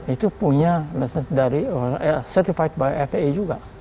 itu punya message dari certified by faa juga